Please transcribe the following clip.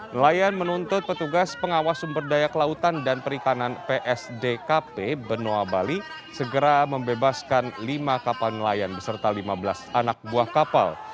nelayan menuntut petugas pengawas sumber daya kelautan dan perikanan psdkp benoa bali segera membebaskan lima kapal nelayan beserta lima belas anak buah kapal